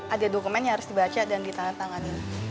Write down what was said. ada dokumen yang harus dibaca dan ditandatangani